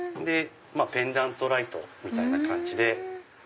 ペンダントライトみたいな感じで。